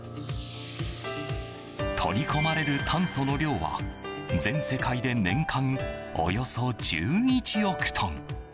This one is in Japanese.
取り込まれる炭素の量は全世界で年間およそ１１億トン。